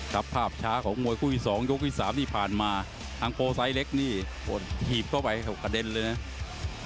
ประสาทช้าของมวยคู่อีกสองยกอีกสามที่ผ่านมาทางโกไซท์เล็กหีบเข้าไปกระเด็นเลยนะ